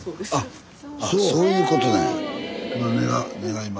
スタジオそういうことなんや。